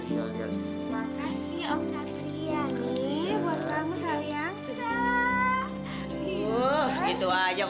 makasih om satria nih buat kamu sayang